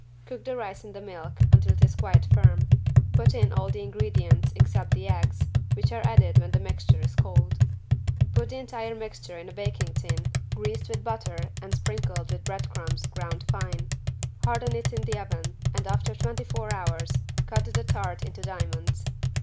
Cook the rice in the milk until it is quite firm, put in all the ingredients except the eggs, which are added when the mixture is cold. Put the entire mixture in a baking tin greased with butter and sprinkled with bread crumbs ground fine, harden in the oven and after 24 hours cut the tart into diamonds.